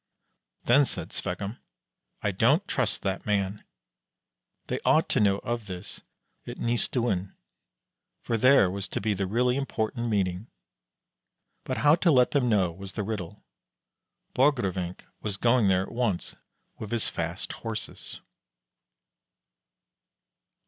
Then said Sveggum: "I don't trust that man. They ought to know of this at Nystuen." For there was to be the really important meeting. But how to let them know was the riddle. Borgrevinck was going there at once with his fast Horses.